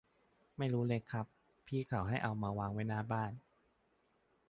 ไม่รู้เลยครับ พี่เขาให้เอามาวางไว้หน้าบ้าน